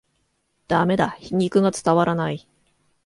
ダメだ、皮肉が伝わらない